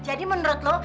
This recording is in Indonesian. eh jadi menurut lo